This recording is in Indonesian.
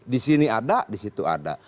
di sini ada di situ ada